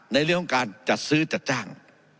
ในเรื่องของการจัดซื้อจัดจ้าง